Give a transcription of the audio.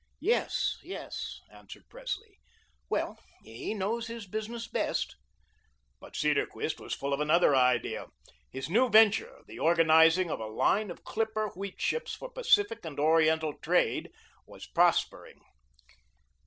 "Yes, yes," answered Presley. "Well, he knows his business best." But Cedarquist was full of another idea: his new venture the organizing of a line of clipper wheat ships for Pacific and Oriental trade was prospering.